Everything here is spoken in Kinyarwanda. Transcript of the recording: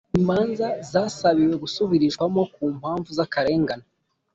imanza zasabiwe gusubirishwamo ku mpamvu z’akarengane